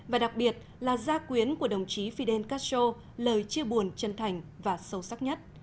và đặc biệt là gia quyến của đồng chí fidel castro lời chia buồn chân thành và sâu sắc nhất